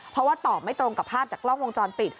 เพราะว่าตอบไม่ตรงกับภาพจากกล้องวงจรปิด